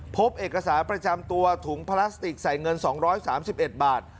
พบเอกสารประจำตัวถุงพลาสติกใส่เงิน๒๓๑บาท